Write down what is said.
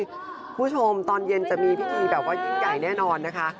คุณผู้ชมตอนเย็นจะมีพิธีแบบว่ายิ่งใหญ่แน่นอนนะคะ